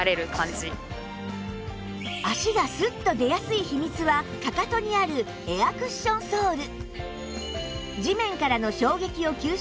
足がスッと出やすい秘密はかかとにあるエアクッションソール